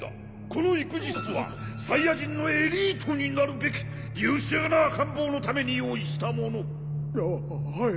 この育児室はサイヤ人のエリートになるべき優秀な赤ん坊のために用意したもの。ははい。